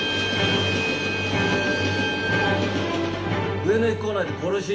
上野駅構内で殺し？